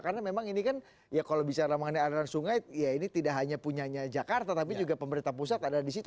karena memang ini kan ya kalau bisa ramahannya aliran sungai ya ini tidak hanya punyanya jakarta tapi juga pemerintah pusat ada di situ